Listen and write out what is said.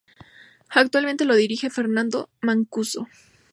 Actualmente lo dirige Fernando Mancuso.